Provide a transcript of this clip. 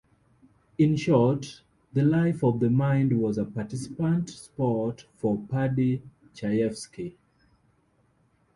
In short, the life of the mind was a participant sport for Paddy Chayefsky.